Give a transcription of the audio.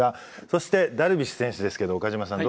そしてダルビッシュ選手ですけど岡島さん